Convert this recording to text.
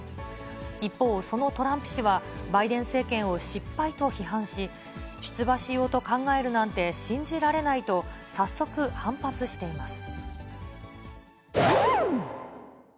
一方、そのトランプ氏はバイデン政権を失敗と批判し、出馬しようと考えるなんて信じられないと、早速、反発しています。